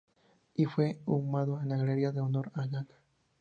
Y, fue inhumado en la Galería de Honor en Ganja.